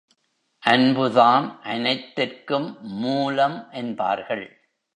அன்புதான் அனைத்திற்கும் மூலம் என்பார்கள்.